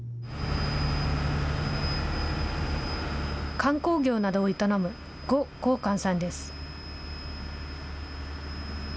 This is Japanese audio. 観光業などを営む呉洪官さんです。